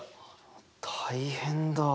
大変だ！